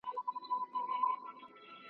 را نیژدې مي سباوون دی نازوه مي .